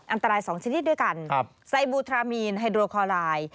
อันตราย๒ชนิดด้วยกันไซบูทรามีนไฮโดรคอไลน์